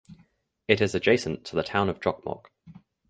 It is adjacent to the town of Jokkmokk.